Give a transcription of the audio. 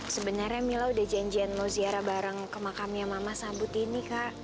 sebenarnya mila udah janjian lo ziara bareng ke makamnya mama sama butini kak